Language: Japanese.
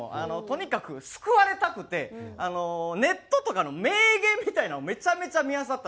とにかく救われたくてネットとかの名言みたいなのをめちゃめちゃ見あさったんですよ。